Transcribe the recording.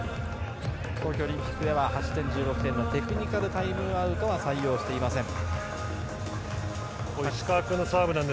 東京オリンピックでは８点、１６点のテクニカルタイムアウトは採用していません。